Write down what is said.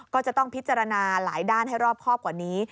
ก็จะต้องพิจารณาหลายด้านให้รอบครอบกว่านี้